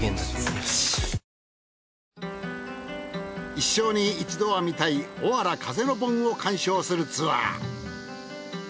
一生に一度は見たいおわら風の盆を鑑賞するツアー。